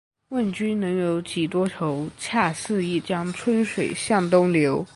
问君能有几多愁？恰似一江春水向东流